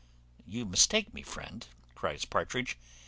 "You mistake me, friend," cries Partridge.